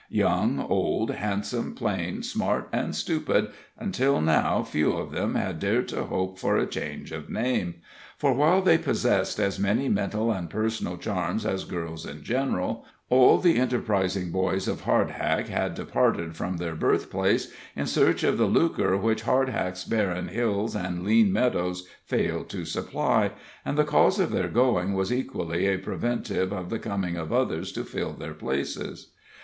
Young, old, handsome, plain, smart and stupid, until now few of them had dared to hope for a change of name; for, while they possessed as many mental and personal charms as girls in general, all the enterprising boys of Hardhack had departed from their birthplace in search of the lucre which Hardback's barren hills and lean meadows failed to supply, and the cause of their going was equally a preventive of the coming of others to fill their places.